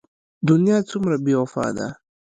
دنيا څومره بې وفا ده.